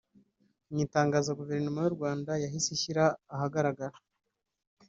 Mu itangazo Guverinoma y’u Rwanda yahise ishyira ahagaragara